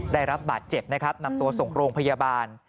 ได้รับบาดเจ็บนะครับนำตัวส่งโรงพยาบาล